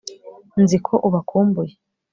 nzi ko ubakumbuye